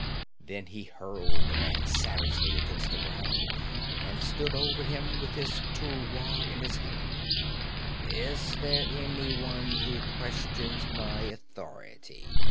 Then he hurled the man savagely against the ground and stood over him with his tulwar in his hand. 'Is there any who questions my authority?'